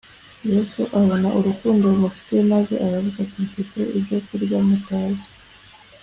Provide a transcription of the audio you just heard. . Yesu abona urukundo bamufitiye, maze aravuga ati, “Mfite ibyo kurya mutazi.”